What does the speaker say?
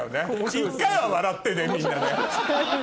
１回は笑ってねみんなね。